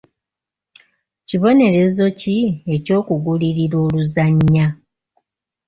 Kibonerezo ki eky'okugulirira oluzannya.